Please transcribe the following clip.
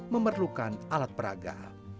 memerlukan alat peraga